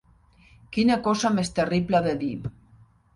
Quina cosa més terrible de dir.